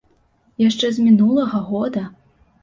Яшчэ з мінулага года!